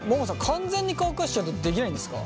完全に乾かしちゃうとできないんですか？